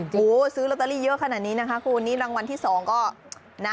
โหซื้อลอตเตอรี่เยอะขนาดนี้นะคะคุณนี่รางวัลที่สองก็นะ